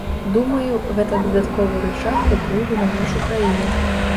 Думаю, гэта дадатковы рычаг уплыву на нашу краіну.